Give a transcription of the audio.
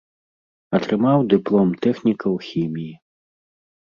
Атрымаў дыплом тэхніка ў хіміі.